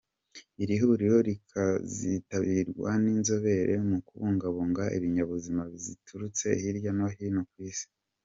iri huriro rikazitabirwa n’inzobere mu kubungabunga ibinyabuzima ziturutse hirya no hino ku Isi.